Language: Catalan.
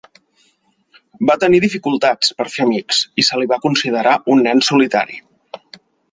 Va tenir dificultats per fer amics, i se li va considerar un nen solitari.